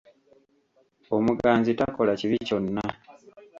Omuganzi takola kibi kyonna.